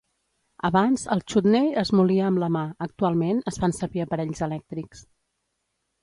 Abans el chutney es molia amb la mà; actualment es fan servir aparells elèctrics.